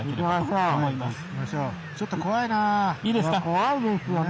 怖いですよね。